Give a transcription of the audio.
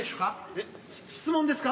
えっ？質問ですか？